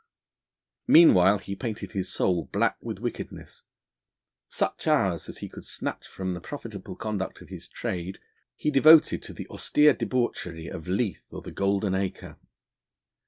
Meanwhile he painted his soul black with wickedness. Such hours as he could snatch from the profitable conduct of his trade he devoted to the austere debauchery of Leith or the Golden Acre.